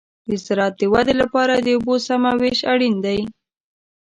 د زراعت د ودې لپاره د اوبو سمه وېش اړین دی.